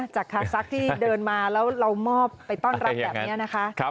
คาซักที่เดินมาแล้วเรามอบไปต้อนรับแบบนี้นะคะ